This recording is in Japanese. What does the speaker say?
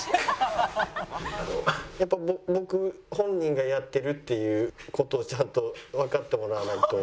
やっぱ僕本人がやってるっていう事をちゃんとわかってもらわないと。